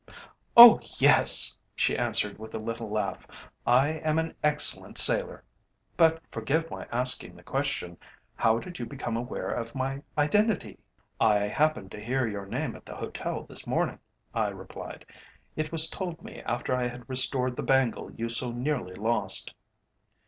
"Oh, yes!" she answered, with a little laugh; "I am an excellent sailor. But forgive my asking the question how did you become aware of my identity?" "I happened to hear your name at the hotel this morning," I replied. "It was told me after I had restored the bangle you so nearly lost."